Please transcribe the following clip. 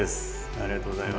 ありがとうございます。